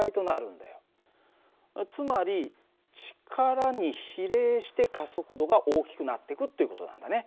つまり力に比例して加速度が大きくなってくっていう事なんだね。